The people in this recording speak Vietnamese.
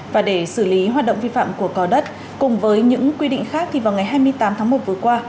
và để xử lý hoạt động vi phạm của cò đất cùng với những quy định khác thì vào ngày hai mươi tám tháng một vừa qua